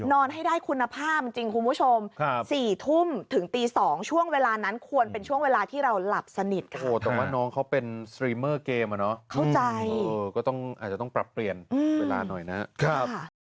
นอนให้ได้คุณภาพจริงคุณผู้ชม